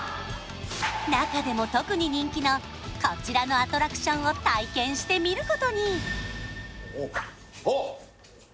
中でも特に人気のこちらのアトラクションを体験してみることに！